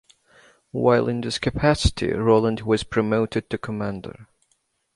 While in this capacity Roland was promoted to commander.